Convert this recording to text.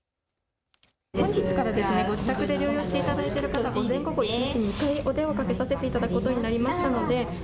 本日からご自宅で療養していただいてる方に午前午後一日２回お電話かけさせていただくことになりましたので。